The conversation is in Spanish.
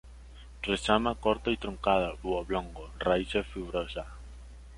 Rizoma corto y truncado u oblongo; raíces fibrosas.